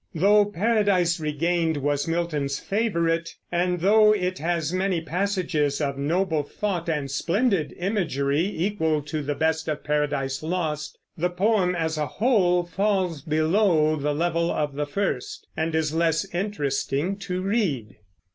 Though Paradise Regained was Milton's favorite, and though it has many passages of noble thought and splendid imagery equal to the best of Paradise Lost, the poem as a whole falls below the level of the first, and is less interesting to read.